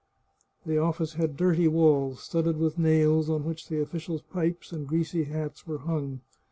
The office had dirty walls, studded with nails on which the officials' pipes and greasy hats were hung.